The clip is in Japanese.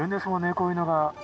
こういうのが。